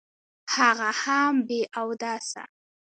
هغه هم بې اوداسه.